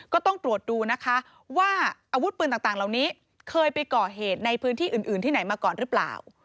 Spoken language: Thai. ก็ต้องตรวจดูนะคะว่าอาวุธปืนต่างเหล่านี้เคยไปก่อเหตุในพื้นที่อื่นที่ไหนมาก่อนหรือเปล่า